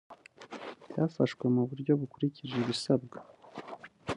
byafashwe mu buryo bukurikije ibisabwa